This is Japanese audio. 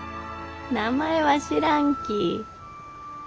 名前は知らんき。